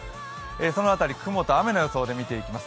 その辺り、雲と雨の予想で見ていきます。